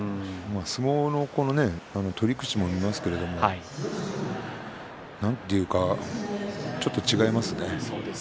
相撲の取り口もありますけれど何というかちょっと違いますね。